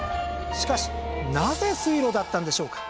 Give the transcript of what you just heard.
しかしなぜ水路だったんでしょうか？